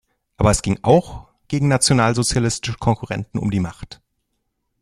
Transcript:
Aber es ging auch gegen nationalsozialistische Konkurrenten um die Macht.